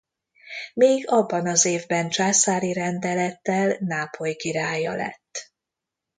Még abban az évben császári rendelettel Nápoly királya lett.